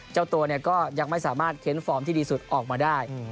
เจ้าตัวก็ยังไม่สามารถเค้นฟอร์มที่ดีสุดออกมาได้